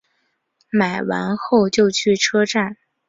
买完后就去车站